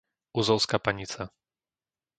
Uzovská Panica